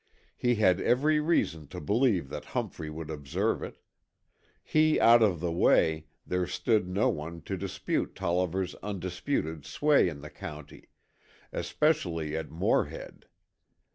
He had every reason to believe that Humphrey would observe it. He out of the way, there stood no one to dispute Tolliver's undisputed sway in the county, especially at Morehead.